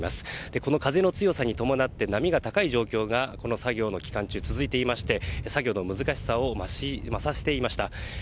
この風の強さに伴って波が高い状態が続いていまして、作業の難しさを増させていました。